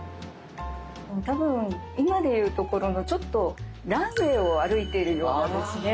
多分今で言うところのちょっとランウェイを歩いているようなですね。